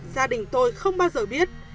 gia đình tôi không bao giờ biết